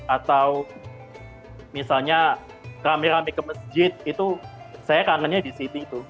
atau misalnya rame rame ke masjid itu saya kangennya di situ